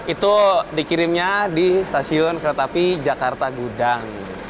itu dikirimnya di stasiun kereta api jakarta gudang